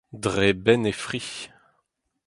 dre benn e fri